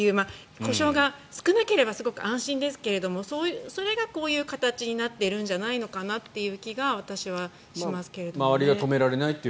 それがこういう故障が少なければすごく安心ですがそれがこういう形になってるんじゃないかという気がします。